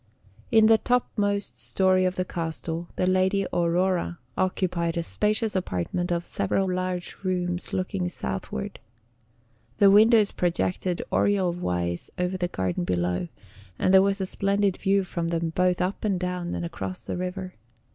In the topmost story of the castle the Lady Aurora occupied a spacious apartment of several large rooms looking southward. The windows projected oriel wise over the garden below, and there was a splendid view from them both up and down and across the river.